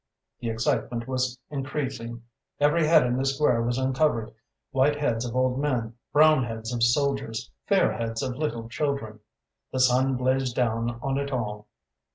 The excitement was increasing. Every head in the square was uncovered; white heads of old men, brown heads of soldiers, fair heads of little children. The sun blazed down on it all.